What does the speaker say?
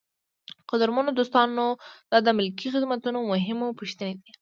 قدرمنو دوستانو دا د ملکي خدمتونو مهمې پوښتنې دي.